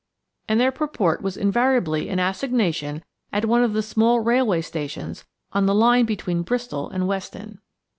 and their purport was invariably an assignation at one of the small railway stations on the line between Bristol and Weston.